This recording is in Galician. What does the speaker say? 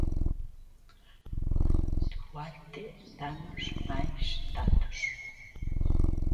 Duarte, danos máis datos.